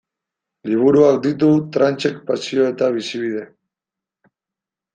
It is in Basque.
Liburuak ditu Tranchek pasio eta bizibide.